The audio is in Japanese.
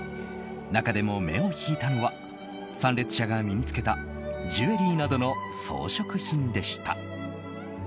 中でも目を引いたのは参列者が身に着けたジュエリーなどの装飾品でした。